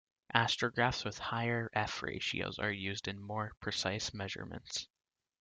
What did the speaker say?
Astrographs with higher f-ratios are used in more precise measurements.